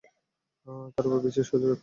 তারপর ওর বিচিতে সজোরে একটা ঘুষি চালাবে।